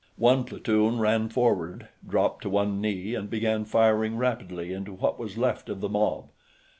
One platoon ran forward, dropped to one knee, and began firing rapidly into what was left of the mob.